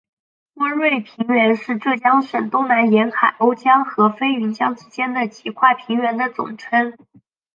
温瑞平原是浙江省东南沿海瓯江和飞云江之间几块平原的总称。